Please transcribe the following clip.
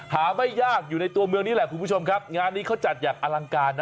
ไม่ยากอยู่ในตัวเมืองนี้แหละคุณผู้ชมครับงานนี้เขาจัดอย่างอลังการนะ